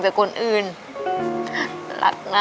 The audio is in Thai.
พ่อจะต้องเจ็บกว่าลูกหลายเท่านั้น